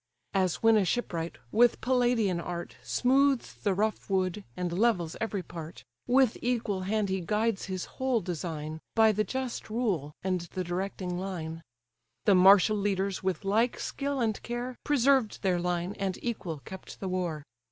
As when a shipwright, with Palladian art, Smooths the rough wood, and levels every part; With equal hand he guides his whole design, By the just rule, and the directing line: The martial leaders, with like skill and care, Preserved their line, and equal kept the war.